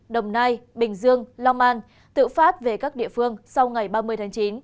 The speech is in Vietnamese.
đồng nai bình dương long an tự phát về các địa phương sau ngày ba mươi tháng chín